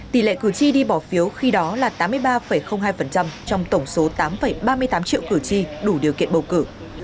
tỷ lệ cử tri đi bỏ phiếu khi đó là tám mươi ba hai trong tổng số tám ba mươi tám triệu cử tri đủ điều kiện bầu cử